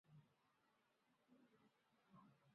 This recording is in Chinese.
现在的孔代城堡则是法国的一个知名的观光景点。